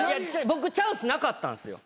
僕チャンスなかったんすよ。